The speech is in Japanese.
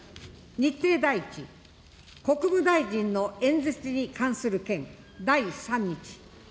日程第１、国務大臣の演説に関する件、第３日。